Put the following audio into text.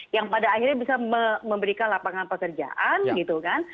yang pada akhirnya bisa memberikan lapangan pekerjaan gitu kan